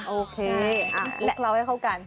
ลูกเล่าให้เข้ากัน